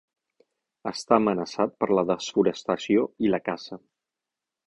Està amenaçat per la desforestació i la caça.